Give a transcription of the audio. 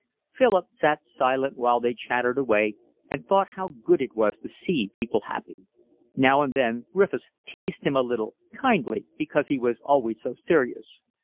Philip sat silent while they chattered away and thought how good it was to see people happy. Now and then Griffiths teased him a little, kindly, because he was always so serious.